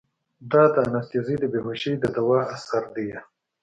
دا د انستيزي د بېهوشي د دوا اثر ديه.